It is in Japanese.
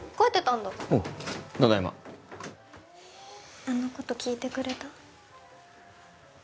ただいまあのこと聞いてくれた？